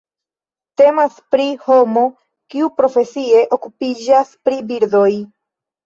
Temas pri homo kiu profesie okupiĝas pri birdoj.